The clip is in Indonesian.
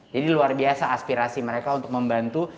jadi luar biasa aspirasi mereka untuk membantu